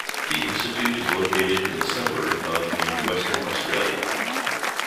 The institute is located in the suburb of in Western Australia.